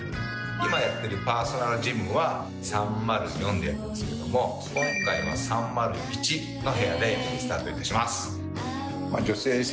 今やってるパーソナルジムは３０４でやってるんですけども今回は３０１の部屋でスタート致します。